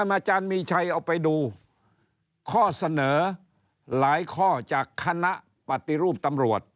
อาจารย์มีชัยเอาไปดูข้อเสนอหลายข้อจากคณะปฏิรูปตำรวจ